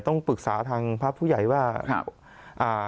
ต้องปรึกษาทางพระผู้ใหญ่ว่าครับอ่า